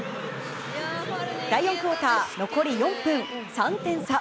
第４クオーター、残り４分３点差。